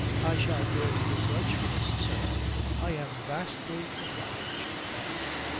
"I shall bear you a grudge for this, sir." "I am vastly obliged, ma'am."